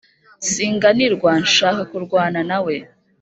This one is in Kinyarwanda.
Singanirwa nshaka kurwana nawe